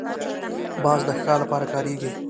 باز د ښکار لپاره کارېږي